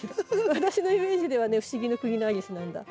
私のイメージではね「不思議の国のアリス」なんだ。